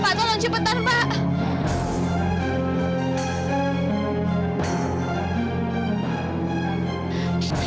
pak tolong cepetan pak